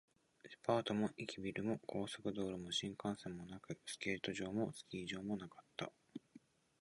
デパートも駅ビルも、高速道路も新幹線もなく、スケート場もスキー場もなかった